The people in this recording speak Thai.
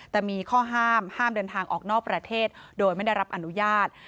แต่มีข้อห้ามห้ามเดินทางออกนอกประเทศโดยไม่ได้รับอนุญาต